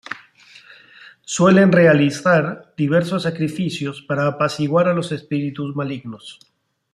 Suelen realizar diversos sacrificios para apaciguar a los espíritus malignos.